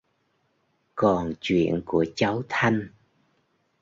Còn chuyện của cháu thanh